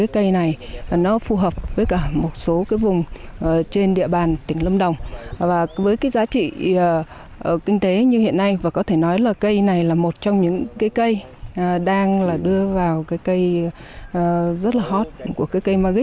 cây này phù hợp với một số vùng trên địa bàn tỉnh lâm đồng với giá trị kinh tế như hiện nay cây này là một trong những cây đang đưa vào cây rất hot của cây magic